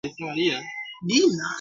Kesho nitaenda harusini